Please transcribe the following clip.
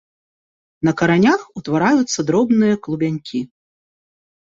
На каранях ўтвараюцца дробныя клубянькі.